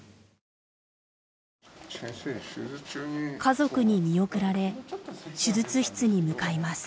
家族に見送られ手術室に向かいます。